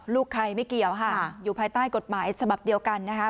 ลูกใครไม่เกี่ยวค่ะอยู่ภายใต้กฎหมายฉบับเดียวกันนะคะ